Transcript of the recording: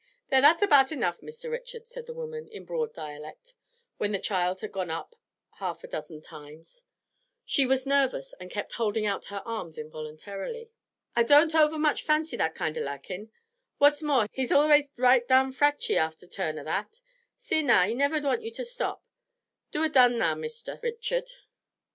'Theer, that's abaht enough, Mr. Richard,' said the woman, in broad dialect, when the child had gone up half a dozen times; she was nervous, and kept holding out her arms involuntarily. 'Ah doan't ovver much fancy that kind o' laakin. What's more, he's allus reight dahn fratchy after a turn o' that. See nah, he'll nivver want you to stop. Do a' done nah, Mr. Richard.'